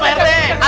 saya pergi saja